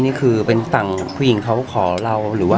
หรือเป็นสั่งคุยเขาขอเราหรือว่า